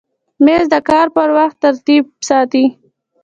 مېز د کار پر وخت ترتیب ساتي.